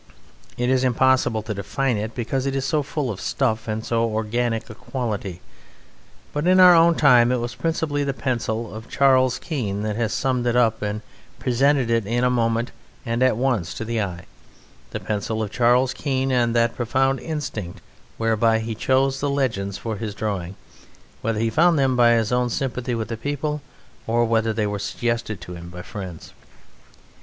It is impossible to define it, because it is so full of stuff and so organic a quality; but in our own time it was principally the pencil of Charles Keene that has summed it up and presented it in a moment and at once to the eye the pencil of Charles Keene and that profound instinct whereby he chose the legends for his drawing, whether he found them by his own sympathy with the people or whether they were suggested to him by friends.